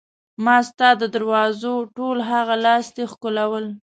ما ستا د دروازو ټول هغه لاستي ښکلول.